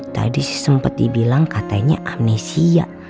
tadi sih sempet dibilang katanya amnesia